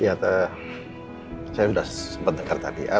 iya saya sudah sempat dengar tadi